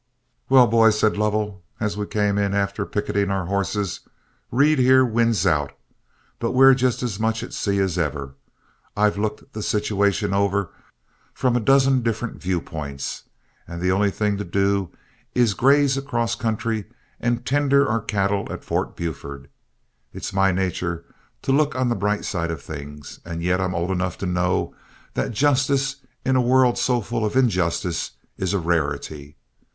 "Well, boys," said Lovell, as we came in after picketing our horses, "Reed, here, wins out, but we're just as much at sea as ever. I've looked the situation over from a dozen different viewpoints, and the only thing to do is graze across country and tender our cattle at Fort Buford. It's my nature to look on the bright side of things, and yet I'm old enough to know that justice, in a world so full of injustice, is a rarity.